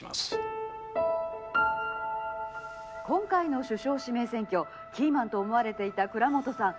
「今回の首相指名選挙キーマンと思われていた蔵本さん